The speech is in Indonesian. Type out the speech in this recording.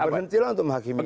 berhentilah untuk menghakimi